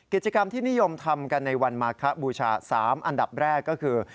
กิจกรรมที่นิยมทำกันในวันมาคบูชา๓อันดับแรกก็คือ